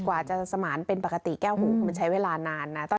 กว่าจะสมานเป็นปกติแก้วหูคือมันใช้เวลานานนะ